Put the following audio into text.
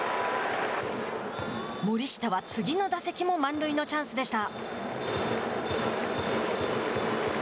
森下は、次の打席も満塁のチャンスでした。